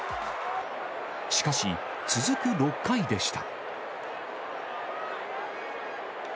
しかし、続く６回でした。